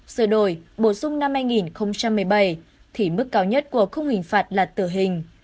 sửa đổi bổ sung năm hai nghìn một mươi bảy thì mức cao nhất của khung hình phạt là tử hình